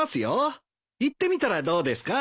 行ってみたらどうですか？